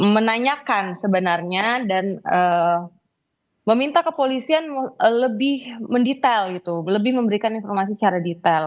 menanyakan sebenarnya dan meminta kepolisian lebih mendetail gitu lebih memberikan informasi secara detail